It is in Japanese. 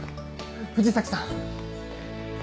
藤崎さん。